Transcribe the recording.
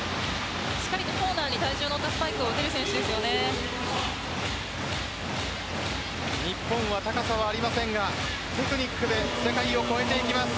しっかりとコーナーに体重の乗ったスパイクを日本は高さはありませんがテクニックで世界を超えていきます。